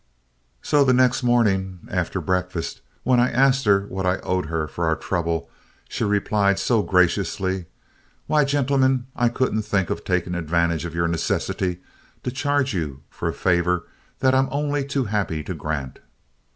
So the next morning after breakfast, when I asked her what I owed her for our trouble, she replied so graciously: 'Why, gentlemen, I couldn't think of taking advantage of your necessity to charge you for a favor that I'm only too happy to grant.'